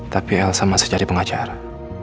tapi elsa masih jadi pengacara